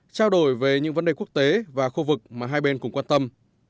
trao đổi về những vấn đề quốc tế và khu vực mà hai bên cùng quan tâm